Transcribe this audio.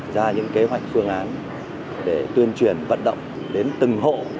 ra những kế hoạch phương án để tuyên truyền vận động đến từng hộ